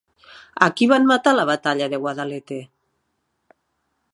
A qui van matar a la batalla de Guadalete?